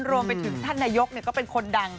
รวมไปถึงท่านนายกก็เป็นคนดัง